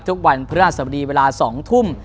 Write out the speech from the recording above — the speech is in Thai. ทุกวันเพื่อสวัสดีเวลา๒ทุ่ม